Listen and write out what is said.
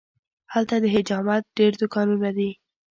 هلته د حجامت ډېر دوکانونه دي.